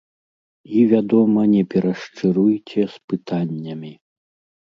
І, вядома, не перашчыруйце з пытаннямі.